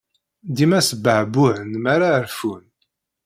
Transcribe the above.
Dima sbeɛbuɛen mi ara rfun.